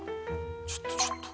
ちょっとちょっと。